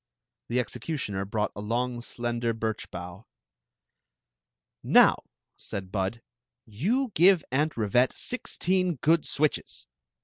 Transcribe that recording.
The executioner brought a long, slender birch bough. " Now," said Bud, you give Aunt Rivette sixteen good switches."